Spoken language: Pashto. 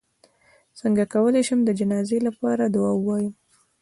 څنګه کولی شم د جنازې لپاره دعا ووایم